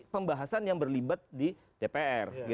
pembahasan yang berlibat di dpr